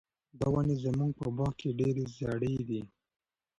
دا ونې زموږ په باغ کې ډېرې زړې دي.